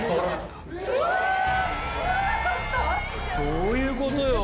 どういうことよ？